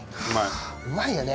うまいよね。